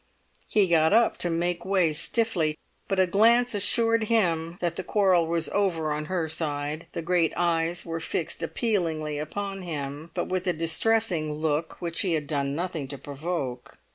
He got up to make way stiffly, but a glance assured him that the quarrel was over on her side. The great eyes were fixed appealingly upon him, but with a distressing look which he had done nothing to provoke.